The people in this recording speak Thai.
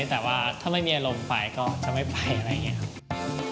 แต่ว่าถ้าไม่มีอารมณ์ไปก็จะไม่ไปอะไรอย่างนี้ครับ